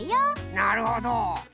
なるほど。